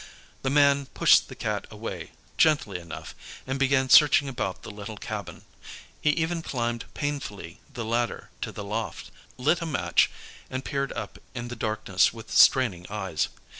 The man pushed the Cat away, gently enough, and began searching about the little cabin. He even climbed painfully the ladder to the loft, lit a match, and peered up in the darkness with straining eyes.